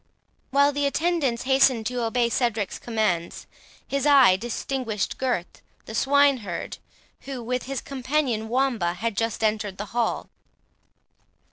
While the attendants hastened to obey Cedric's commands, his eye distinguished Gurth the swineherd, who, with his companion Wamba, had just entered the hall.